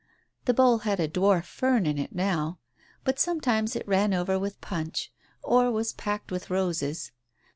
The bowl had a dwarf fern in it now, but sometimes it ran over with punch, or was packed with roses.